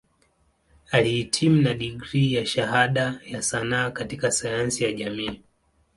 Alihitimu na digrii ya Shahada ya Sanaa katika Sayansi ya Jamii.